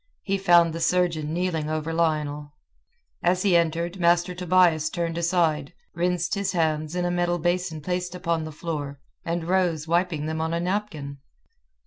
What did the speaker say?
He found the surgeon kneeling over Lionel. As he entered, Master Tobias turned aside, rinsed his hands in a metal basin placed upon the floor, and rose wiping them on a napkin.